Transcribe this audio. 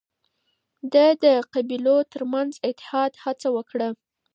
ده د قبيلو ترمنځ اتحاد هڅه وکړ